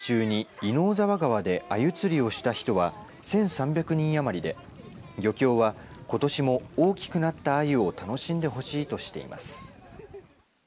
漁協によりますと去年のシーズン中に稲生沢川であゆ釣りをした人は１３００人余りで漁協はことしも大きくなったあゆを楽しんでほしいとしています。